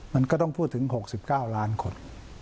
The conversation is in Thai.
มันก็ต้องพูดถึง๖๙ล้านคน